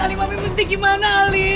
alih mami mesti gimana alih